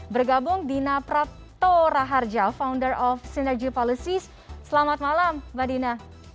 bergabung dina prattora harja founder of synergy policies selamat malam mbak dina